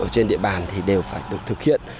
ở trên địa bàn thì đều phải được thực hiện